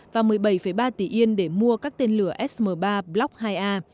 và một mươi bảy ba tỷ yên để mua các tên lửa sm ba block iia